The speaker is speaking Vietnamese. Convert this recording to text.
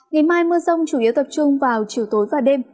ngày mai mưa rông chủ yếu tập trung vào chiều tối và đêm